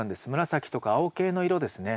紫とか青系の色ですね。